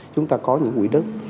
chúng ta có những quỹ đất